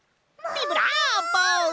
ビブラーボ！